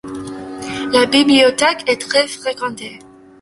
La bibliothèque est très fréquentée.